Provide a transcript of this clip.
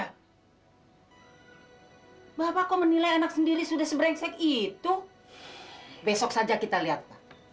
hai bahwa kau menilai anak sendiri sudah sebrengsek itu besok saja kita lihat